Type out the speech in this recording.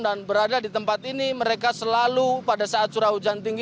dan berada di tempat ini mereka selalu pada saat curah hujan tinggi